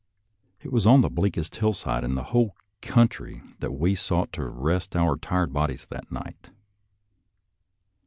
It was on the bleakest hillside in the whole country that we sought to rest our tired bodies that night.